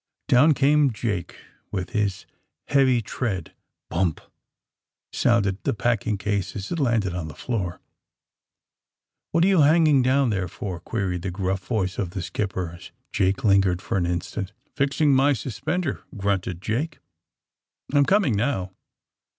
Down came Jake, with his heavy tread. Bump! sounded the packing case as it landed on the floor. *^What are you hanging down there forf queried the gruff voice of the skipper, as Jake lingered for an instant. '' Fixing my suspender, '' grunted Jake, *^ I 'm coming now.''